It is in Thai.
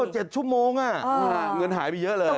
๗ชั่วโมงเงินหายไปเยอะเลย